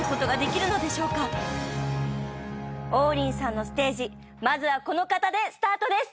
王林さんのステージまずはこの方でスタートです！